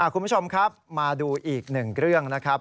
คุณผู้ชมครับมาดูอีกหนึ่งเรื่องนะครับ